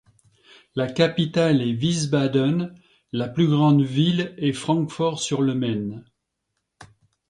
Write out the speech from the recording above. La capitale est Wiesbaden, la plus grande ville est Francfort-sur-le-Main.